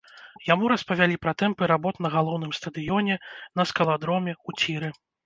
Яму распавялі пра тэмпы работ на галоўным стадыёне, на скаладроме, у ціры.